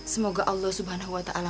semoga allah subhanahu wata'a